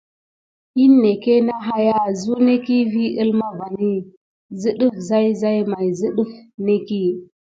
Hine ké na haya zuneki vi əlma vani zə ɗəf zayzay may zə ɗəf nekiy.